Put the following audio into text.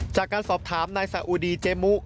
จากการสอบถามนายสาอุดีเจมุ